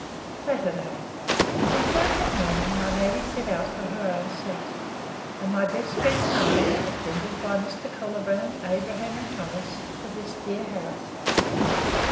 Saturday. On Thursday morning my lady set out for her own seat; and my best friend and I, attended by Mr. Colbrand, Abraham, and Thomas, for this dear house.